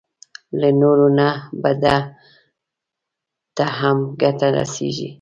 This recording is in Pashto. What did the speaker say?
له نورو نه به ده ته هم ګټه رسېږي.